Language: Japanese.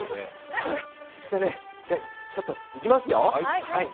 じゃあ、ちょっと行きますよ。